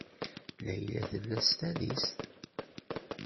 Layla tella s tadist.